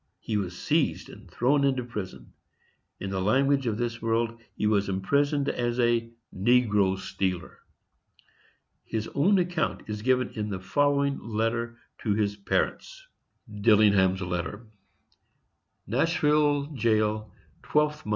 He was seized and thrown into prison. In the language of this world he was imprisoned as a "negro stealer." His own account is given in the following letter to his parents: _Nashville Jail, 12th mo.